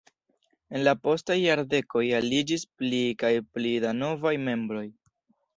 En la postaj jardekoj aliĝis pli kaj pli da novaj membroj.